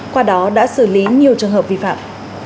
qua đó đã xử lý nhiều trường hợp vi phạm